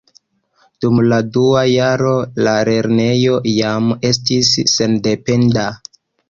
Dum la dua jaro la lernejo jam estis sendependa.